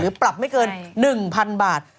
หรือก็ผลับกว่าไม่เกิน๑๐๐๐บาท